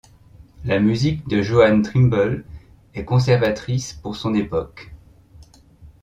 La musique de Joan Trimble est conservatrice pour son époque.